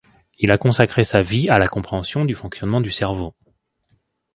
Il a consacré sa vie à la compréhension du fonctionnement du cerveau.